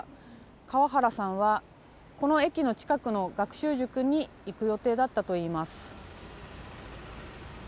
川原さんはこの駅の近くの学習塾に行く予定だったといいます。